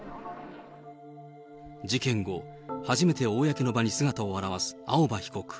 事件後、初めて公の場に姿を現す青葉被告。